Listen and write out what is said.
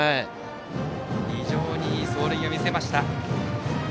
非常にいい走塁を見せました。